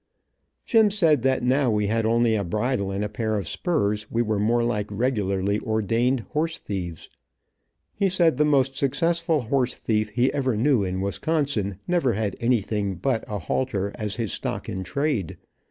Jim said that now we had only a bridle and a pair of spurs, we were more like regularly ordained horse thieves. He said the most successful horse thief he ever knew in Wisconsin never had anything but a halter as his stock in trade.